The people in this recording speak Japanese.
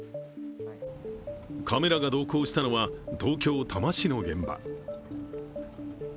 カメラが同行したのは東京・多摩市の現場。